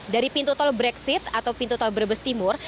dari pintu tol brexit atau pintu tol brebes timur